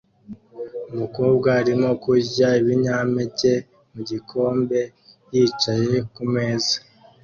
Umukobwa arimo kurya ibinyampeke mu gikombe yicaye ku meza